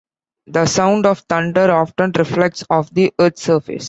The sound of thunder often reflects off the Earth's surface.